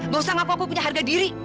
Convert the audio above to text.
gak usah ngapa aku punya harga diri